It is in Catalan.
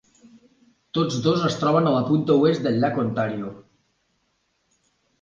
Tots dos es troben a la punta oest del llac Ontario.